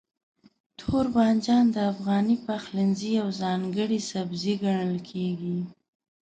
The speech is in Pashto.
توربانجان د افغاني پخلنځي یو ځانګړی سبزی ګڼل کېږي.